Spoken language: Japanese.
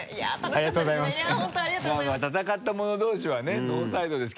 ありがとうございます。